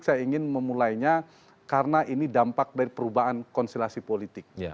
saya ingin memulainya karena ini dampak dari perubahan konstelasi politik